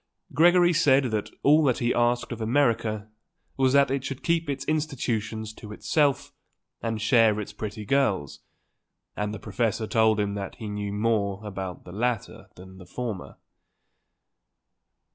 Gregory said that all that he asked of America was that it should keep its institutions to itself and share its pretty girls, and the professor told him that he knew more about the latter than the former.